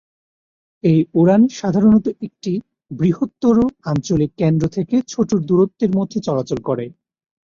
এই উড়ান সাধারণত একটি বৃহত্তর আঞ্চলিক কেন্দ্র থেকে ছোটো দূরত্বের মধ্যে চলাচল করে।